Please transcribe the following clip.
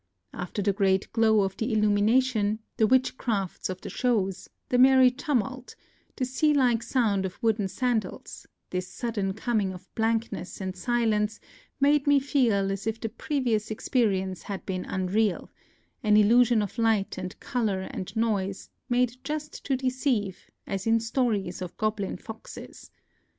After the great glow of the illumination, the witchcrafts of the shows, the merry tumult, the sea like sound of wooden sandals, this sudden coming of blankness and silence made me feel as if the previous expe rience had been unreal, — an illusion of light and color and noise made just to deceive, as in stories of goblin foxes.